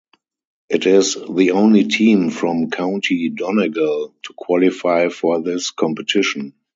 It is the only team from County Donegal to qualify for this competition.